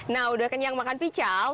nah udah kenyang makan pical